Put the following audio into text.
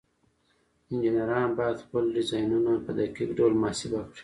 انجینران باید خپل ډیزاینونه په دقیق ډول محاسبه کړي.